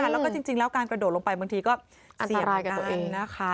แล้วก็จริงการกระโดดลงไปบางทีก็เสี่ยงกัน